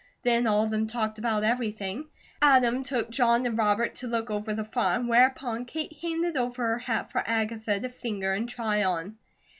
Then all of them talked about everything. Adam took John and Robert to look over the farm, whereupon Kate handed over her hat for Agatha to finger and try on.